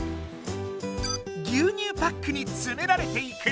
牛乳パックにつめられていく。